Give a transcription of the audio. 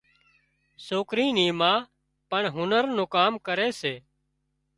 سوڪري نِي ما پڻ هنر نُون ڪام ڪري سي